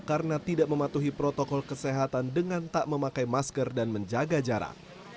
karena tidak mematuhi protokol kesehatan dengan tak memakai masker dan menjaga jarak